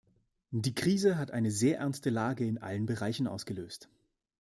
Die Krise hat eine sehr ernste Lage in allen Bereichen ausgelöst.